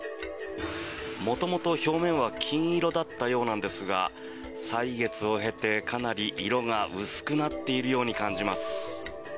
元々、表面は金色だったようなんですが歳月を経てかなり色が薄くなっているように感じます。